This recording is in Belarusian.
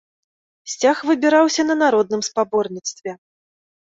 Сцяг выбіраўся на народным спаборніцтве.